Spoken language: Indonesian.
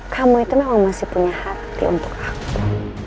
kamu itu memang masih punya hati untuk aku